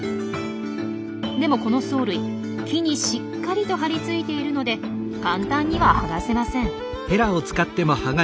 でもこの藻類木にしっかりと張り付いているので簡単にはがせません。